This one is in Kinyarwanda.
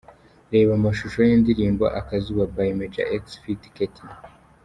Reba amashusho y'indirimbo 'Akazuba' by Major X ft Ketty.